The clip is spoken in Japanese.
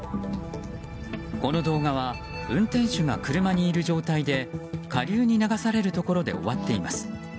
この動画は運転手が車にいる状態で下流に流されるところで終わっています。